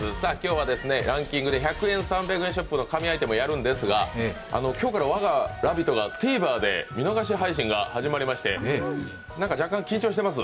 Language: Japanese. ランキングで１００円、３００円ショップのランキングやるんですが今日から我が「ラヴィット！」がＴＶｅｒで見逃し配信が始まりまして若干、緊張してます。